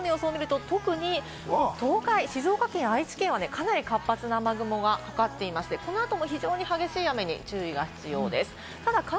ただ現在の雨の様子を見ると、特に東海、静岡県、愛知県はかなり活発な雨雲がかかっていまして、この後も非常に激しい雨に注意が必要です。